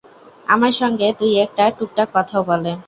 আমার সঙ্গে দুই-একটা টুকটাক কথাও বলে।